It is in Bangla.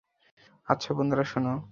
আচ্ছা বন্ধুরা, শোনো।